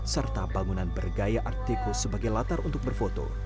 serta bangunan bergaya artikus sebagai latar untuk berfoto